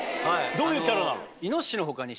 どういうキャラなの？